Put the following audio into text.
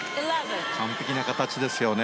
完璧な形ですよね。